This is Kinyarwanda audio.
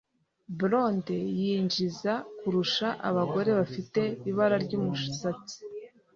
Blondes yinjiza kurusha abagore bafite ibara ryumusatsi